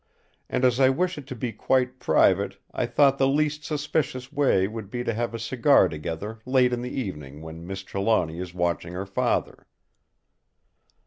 And as I wish it to be quite private, I thought the least suspicious way would be to have a cigar together late in the evening when Miss Trelawny is watching her father."